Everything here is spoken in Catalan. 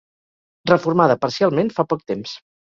Reformada parcialment fa poc temps.